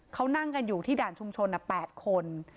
เขานั่งกันอยู่ที่ด่านชุมชน๘คน